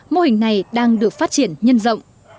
mô hình này đang được phát triển nhân rộng